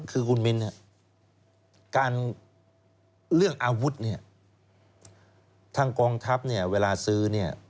คือคุณมิ้นเนี่ยการเรื่องอาวุธเนี่ยทางกองทัพเนี่ยเวลาซื้อเนี่ย